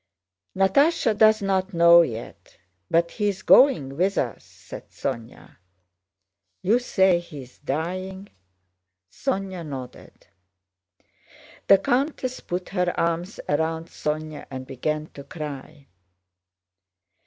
"Natásha does not know yet, but he is going with us," said Sónya. "You say he is dying?" Sónya nodded. The countess put her arms around Sónya and began to cry.